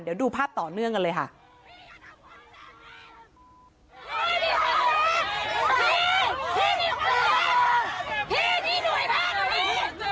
เดี๋ยวดูภาพต่อเนื่องกันเลยค่ะ